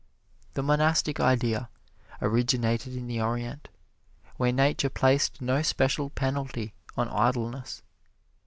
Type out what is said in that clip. The monastic idea originated in the Orient, where Nature placed no special penalty on idleness.